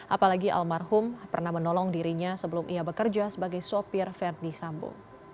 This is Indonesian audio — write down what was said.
apalagi almarhum pernah menolong dirinya sebelum ia bekerja sebagai sopir verdi sambo